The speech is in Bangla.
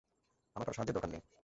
আমার কারও সাহায্যের দরকার নেই।